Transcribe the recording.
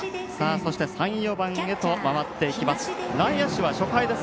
そして３番、４番へと回っていきます。